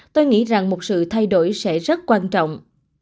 tôi nghĩ rằng một sự thay đổi sẽ rất quan trọng